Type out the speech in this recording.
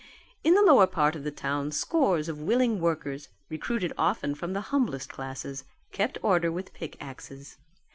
In the lower part of the town scores of willing workers, recruited often from the humblest classes, kept order with pickaxes.